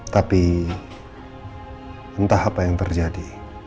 tapi entah apa yang terjadi